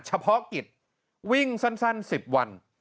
เฉพาะกิจวิ่งสั้น๑๐วัน